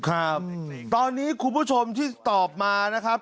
ครับตอนนี้คุณผู้ชมที่ตอบมานะครับ